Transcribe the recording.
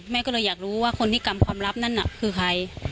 แม่ก็เลยอยากรู้ว่าคนที่กรรมความลับนั่นน่ะคือใคร